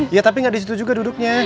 ya tapi nggak disitu juga duduknya